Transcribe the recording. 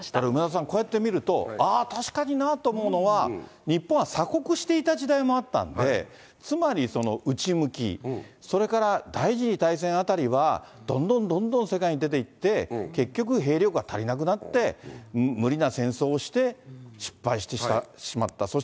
梅沢さん、こうやって見ると、ああ、確かになと思うのは、日本は鎖国していた時代もあったんで、つまりその内向き、それから、第２次大戦あたりは、どんどんどんどん世界に出ていって、結局、兵力が足りなくなって、無理な戦争をして、失敗してしまった。